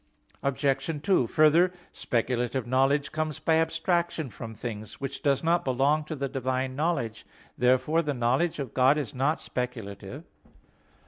Obj. 2: Further, speculative knowledge comes by abstraction from things; which does not belong to the divine knowledge. Therefore the knowledge of God is not speculative.